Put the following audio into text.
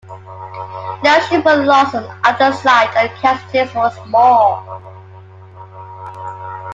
No ships were lost on either side, and casualties were small.